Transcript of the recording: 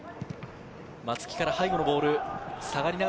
松木から背後のボール。